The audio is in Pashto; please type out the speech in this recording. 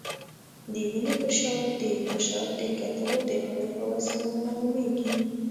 د وینې فشار د فشار د کتلو د الې په وسیله معلومېږي.